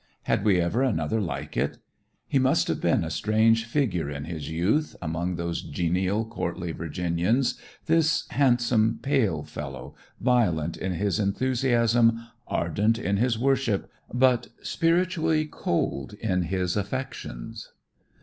Had we ever another like it? He must have been a strange figure in his youth, among those genial, courtly Virginians, this handsome, pale fellow, violent in his enthusiasm, ardent in his worship, but spiritually cold in his affections.